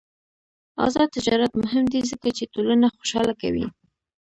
آزاد تجارت مهم دی ځکه چې ټولنه خوشحاله کوي.